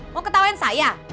mau ketawain saya